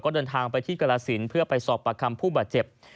ก็เดินทางไปที่กละศิลป์เพื่อไปสอบประคัมผู้บาดเจ็บ